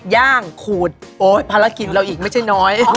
ย่างขูดโอ๊ยภารกิจของเราอีกไม่ใช่น้อย